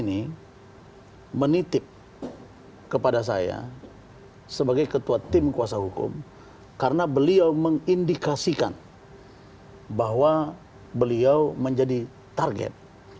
ini menitip kepada saya sebagai ketua tim kuasa hukum karena beliau mengindikasikan bahwa beliau menjadi target